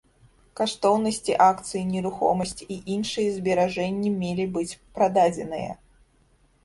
Каштоўнасці, акцыі, нерухомасць і іншыя зберажэнні мелі быць прададзеная.